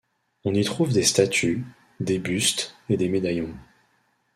On y trouve des statues, des bustes et des médaillons.